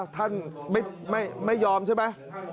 ท่านไม่ยอมใช่ไหม